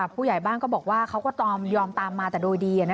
ผู้ใหญ่บ้านก็บอกว่าเขาก็ยอมตามมาแต่โดยดี